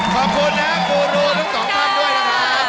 ขอบคุณนะครับกูรูทั้งสองครั้งด้วยนะครับ